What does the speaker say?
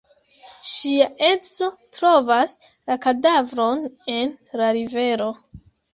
Ŝia edzo trovas la kadavron en la rivero.